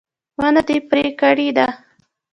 ونه دې پرې کړې ده